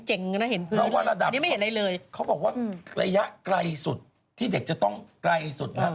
เพราะว่าระดับเค้าบอกว่าระยะไกลสุดที่เด็กจะต้องไกลสุดนะครับ